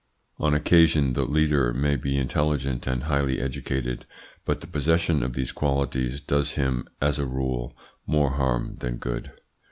On occasion, the leader may be intelligent and highly educated, but the possession of these qualities does him, as a rule, more harm than good.